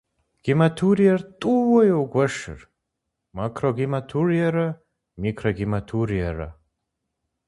Гематуриер тӏууэ егуэшыр: макрогематуриерэ микрогематуриерэ.